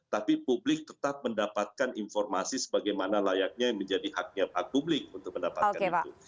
tapi publik tetap mendapatkan informasi sebagaimana layaknya menjadi haknya publik untuk mendapatkan itu